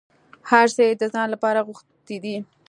هر څه یې د ځان لپاره غوښتي دي.